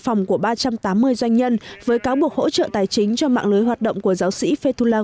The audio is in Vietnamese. phòng của ba trăm tám mươi doanh nhân với cáo buộc hỗ trợ tài chính cho mạng lưới hoạt động của giáo sĩ fedula